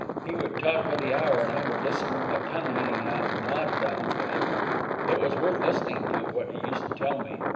He would talk by the hour and I would listen with my tongue hanging out and nod now and then. It was worth listening to, what he used to tell me.